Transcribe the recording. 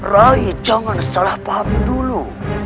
rai jangan salah paham dulu